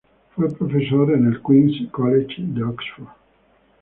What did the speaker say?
Fue profesor en el Queen's College de Oxford.